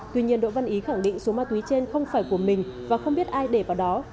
tuy nhiên đỗ văn ý khẳng định số ma túy trên không phải của mình và không biết ai để vào đó